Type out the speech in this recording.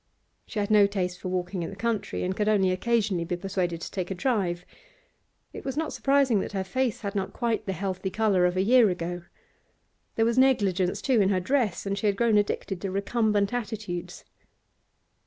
She had no taste for walking in the country, and could only occasionally be persuaded to take a drive. It was not surprising that her face had not quite the healthy colour of a year ago; there was negligence, too, in her dress, and she had grown addicted to recumbent attitudes.